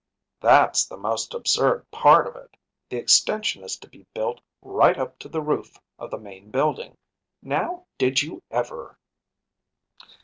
‚ÄĚ “That’s the most absurd part of it. The extension is to be built right up to the roof of the main building; now, did you ever?